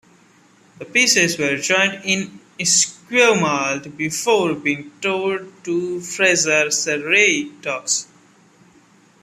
The pieces were joined in Esquimalt before being towed to Fraser Surrey Docks.